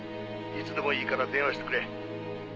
「いつでもいいから電話してくれ。